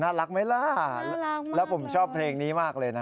น่ารักมากแล้วผมชอบเพลงนี้มากเลยนะ